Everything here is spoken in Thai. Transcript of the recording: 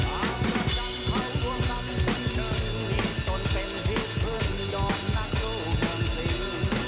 ถ้าพระจันทร์เค้าควรรับคนเดินมีต้นเป็นพี่เพื่อนยอดนักโชว์เกินสิ้น